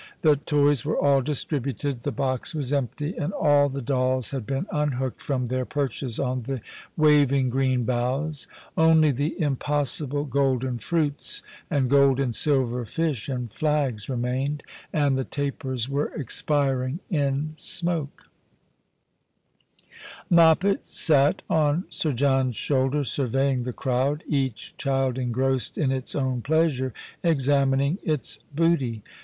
The toys were all distributed, the box was empty, and all the dolls had been unhooked from their perches on the waving green boughs. Only the impossible golden fruits and gold and silver fish and flags remained, and the tapers were expiring in smoke. 178 The Christmas Hirelings. Moj^pet sat on Sir Jolin's shoulder surveying the crowd, each child engrossed in its own pleasure, examining its booty.